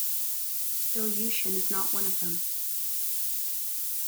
Ilyushin is not one of them.